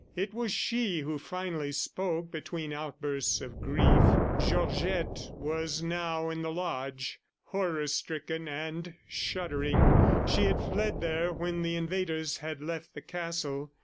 It was she who finally spoke, between outbursts of grief. ... Georgette was now in the lodge. Horror stricken and shuddering, she had fled there when the invaders had left the castle.